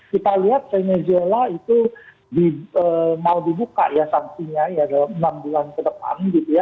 kita lihat venezuela itu mau dibuka ya sanksinya ya dalam enam bulan ke depan gitu ya